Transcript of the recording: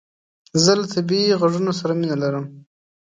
زه له طبیعي عږونو سره مینه لرم